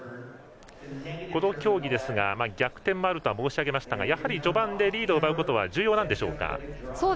この競技、逆転もあるとは申し上げましたがやはり序盤でリードを奪うことは重要なんでしょうか。